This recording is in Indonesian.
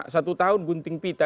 satu tahun gunting pita